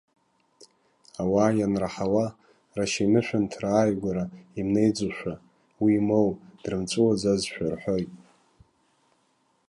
Ауаа ианраҳауа, рашьа инышәынҭра ааигәара имнеиӡозшәа, уимоу, дрымҵәуаӡазшәа рҳәоит.